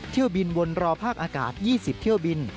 เที่ยวบินวนรอภาคอากาศ๒๐เที่ยวบิน